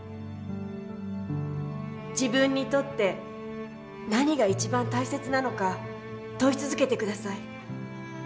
自分にとって何が一番大切なのか問い続けて下さい。